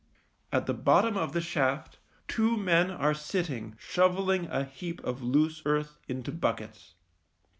At the bottom of the shaft two men are sitting shovelling a heap of loose earth into buckets.